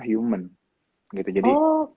human gitu jadi